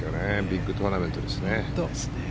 ビッグトーナメントですね。